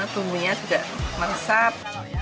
tumbuhnya juga meresap